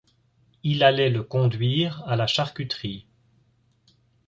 Il allait le conduire à la charcuterie.